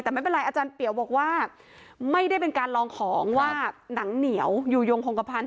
แต่ไม่เป็นไรอาจารย์เปียวบอกว่าไม่ได้เป็นการลองของว่าหนังเหนียวอยู่ยงคงกระพันธ